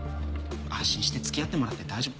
安心して付き合ってもらって大丈夫。